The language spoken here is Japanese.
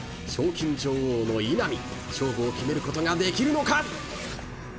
賞金女王の稲見勝負を決めることができるのか。